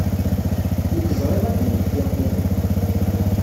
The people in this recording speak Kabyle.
Mi k-ẓriɣ ad d-mmektiɣ baba-k.